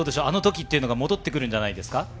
あのときっていうのが、戻ってくるんじゃないですか？